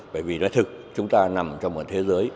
bởi vì nói thực chúng ta nằm trong một thế giới